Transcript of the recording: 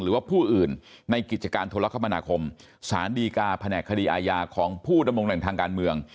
หรือว่าผู้อื่นในกิจการโทรคมนาคมสารดีกาแผนกคดีอาญาของผู้ดำรงแหล่งทางการเมือง